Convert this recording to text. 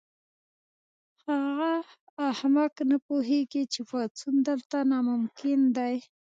هغه احمق نه پوهیږي چې پاڅون دلته ناممکن دی